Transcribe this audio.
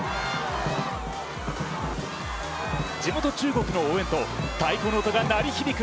地元・中国の応援と太鼓の音が鳴り響く